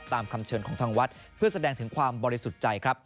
ตามคำเชิญของทางวัดเพื่อแสดงถึงความบริสุทธิ์ใจครับ